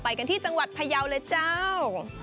กันที่จังหวัดพยาวเลยเจ้า